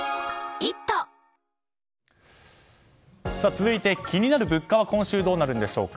続いて、気になる物価は今週どうなるんでしょうか。